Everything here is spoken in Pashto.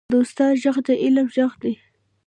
د استاد ږغ د علم درس دی.